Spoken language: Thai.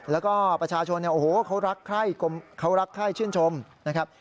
แล้วก็ประชาชนเนี่ยโอ้โหเขารักเขารักไข้ชื่นชมนะครับ